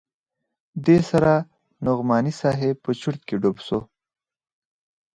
دې سره نعماني صاحب په چورت کښې ډوب سو.